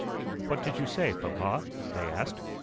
"What did you say, papa?" they asked.